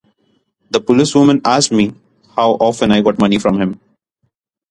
The policewoman asked me how often I got money from him.